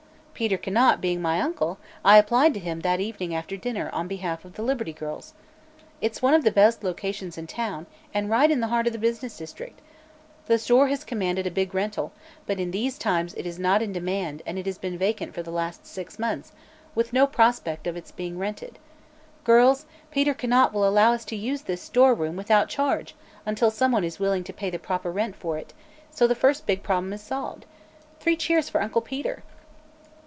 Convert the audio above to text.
Peter Conant being my uncle, I applied to him that evening after dinner, on behalf of the Liberty Girls. It's one of the best locations in town and right in the heart of the business district. The store has commanded a big rental, but in these times it is not in demand and it has been vacant for the last six months, with no prospect of its being rented. Girls, Peter Conant will allow us to use this store room without charge until someone is willing to pay the proper rent for it, and so the first big problem is solved. Three cheers for Uncle Peter!"